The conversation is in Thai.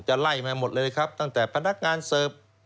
ไล่มาหมดเลยครับตั้งแต่พนักงานเสิร์ฟ